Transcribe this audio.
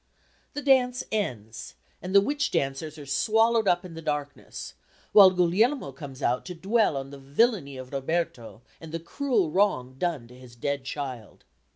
The dance ends, and the witch dancers are swallowed up in the darkness, while Guglielmo comes out to dwell on the villainy of Roberto and the cruel wrong done to his dead child.